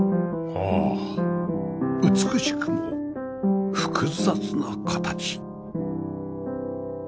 ああ美しくも複雑な形